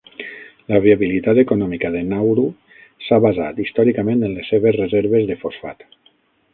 La viabilitat econòmica de Nauru s'ha basat històricament en les seves reserves de fosfat.